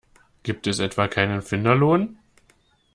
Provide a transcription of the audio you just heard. Gibt es etwa keinen Finderlohn?